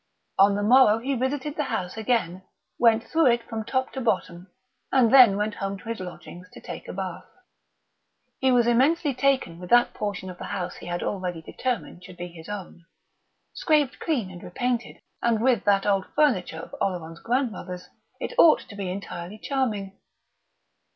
On the morrow he visited the house again, went through it from top to bottom, and then went home to his lodgings to take a bath. He was immensely taken with that portion of the house he had already determined should be his own. Scraped clean and repainted, and with that old furniture of Oleron's grandmother's, it ought to be entirely charming.